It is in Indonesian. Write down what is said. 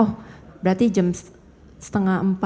oh berarti jam setengah empat